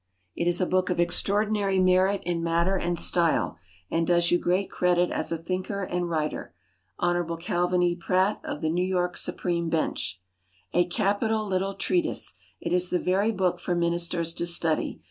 It is a book of extraordinary merit in matter and style, and does you great credit as a thinker and writer. Hon. CALVIN E. PRATT, of the New York Supreme Bench. A capital little treatise. It is the very book for ministers to study.